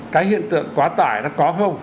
cái hiện tượng quá tải nó có không